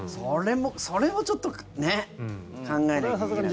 それもちょっと考えなきゃいけなかったり。